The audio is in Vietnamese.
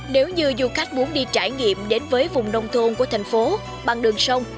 nếu như du khách muốn đi trải nghiệm đến với vùng nông thôn của thành phố bằng đường sông